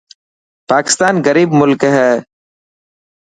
پاڪستان غريب ملڪ هي.